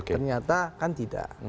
ternyata kan tidak